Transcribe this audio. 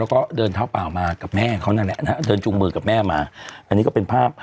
แล้วก็เดินเท้าเปล่ามากับแม่เขานั่นแหละนะฮะเดินจุงมือกับแม่มาอันนี้ก็เป็นภาพ